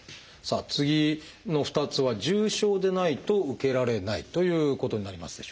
次の２つは重症でないと受けられないということになりますでしょうか？